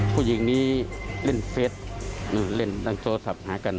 ผู้หญิงนี้เล่นเฟสเล่นโทรศัพท์หากัน